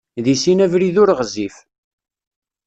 Deg sin abrid ur ɣezzif.